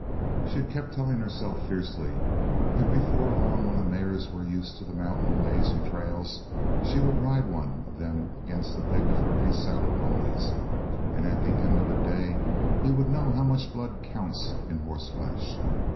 She had kept telling herself fiercely that before long, when the mares were used to mountain ways and trails, she would ride one of them against the pick of Hervey's saddle ponies and at the end of a day he would know how much blood counts in horse flesh!